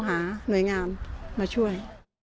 หน่วยงานมาช่วย